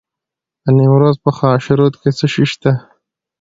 د نیمروز په خاشرود کې څه شی شته؟